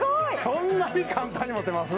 そんなに簡単に持てます？